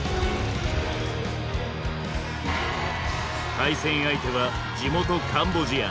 対戦相手は地元カンボジア。